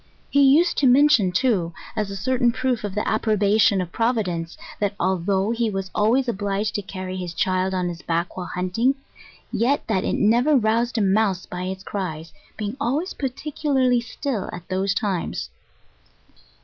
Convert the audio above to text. He used to mention, too, as a certain proof of the approbation of Providence, that although he was always obliged to carry his child on his back while hunting, yet that it never roused a mouse by its cries, being always particularly still at those times.